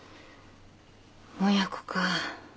親子か。